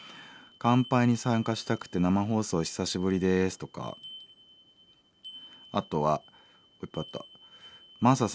「乾杯に参加したくて生放送久しぶりです」とかあとはマサさんは「黒い炭酸飲料」。